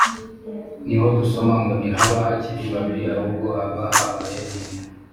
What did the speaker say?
niho dusoma ngo “ntibaba bakiri babiri ahubwo baba babaye umwe